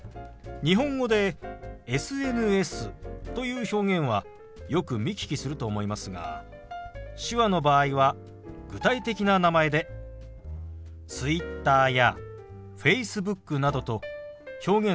日本語でＳＮＳという表現はよく見聞きすると思いますが手話の場合は具体的な名前でＴｗｉｔｔｅｒやＦａｃｅｂｏｏｋなどと表現することが多いんですよ。